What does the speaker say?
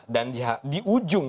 dan di ujung